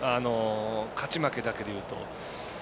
勝ち負けだけで言うと。